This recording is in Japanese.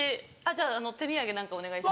じゃあ手土産何かお願いします。